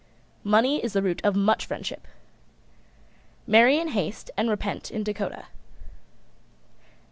Money is the root of much friendship. Marry in haste and repent in Dakota.